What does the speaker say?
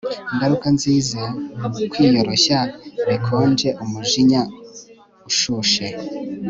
Ingaruka nziza kwiyoroshya bikonje umujinya ushushe